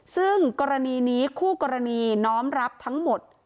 ซึ่งกรณีนี้คู่กรณีน้อมรับทั้งหมด